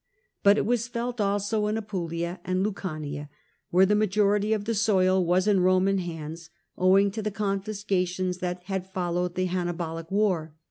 But it was felt also in Apulia and Lucania, where the majority of the soil was in Roman hands, owing to the confiscations that had followed the Hannibalic War.